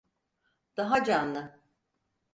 Daha canlı!